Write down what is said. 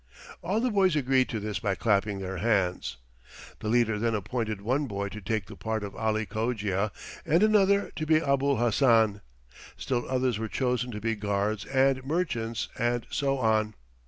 All the boys agreed to this by clapping their hands. The leader then appointed one boy to take the part of Ali Cogia and another to be Abul Hassan. Still others were chosen to be guards and merchants and so on.